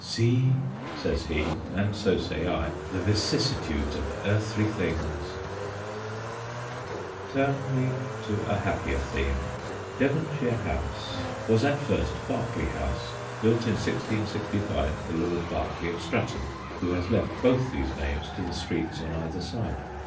' See/ says he, and so say I, ' the vicissitudes of earthly things I ' Turn we to a happier theme. Devonshire House was at first Berkeley House, built in 1665 for Lord Berkeley of Stratton, who has left both these names to the streets on either side.